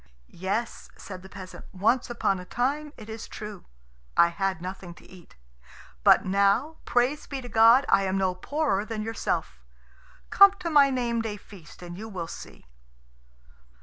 "Yes," said the peasant, "once upon a time, it is true, I had nothing to eat; but now, praise be to God, I am no poorer than yourself. Come to my name day feast and you will see."